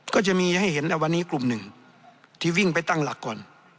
ก็จะมีให้เห็นแล้ววันนี้กลุ่มหนึ่งที่วิ่งไปตั้งหลักก่อน